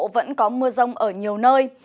vẫn có mưa rông ở nhiều nơi